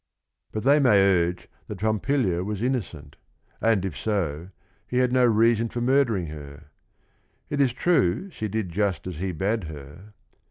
But they may urge that Pompilia was innocent, and if so, he had no reason for murdering her. It is true she did just as he bade her